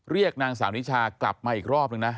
เรียกนางสาวนิชากลับมาอีกรอบนึงนะ